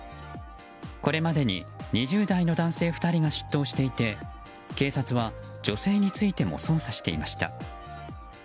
これまでに２０代の男性２人が出頭していて警察は女性についても捜査していました。